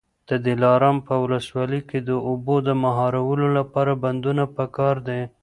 د دلارام په ولسوالۍ کي د اوبو د مهارولو لپاره بندونه پکار دي.